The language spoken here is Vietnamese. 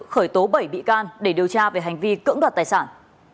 khởi tố bảy bị can để điều tra về hành vi cưỡng đoạt tài sản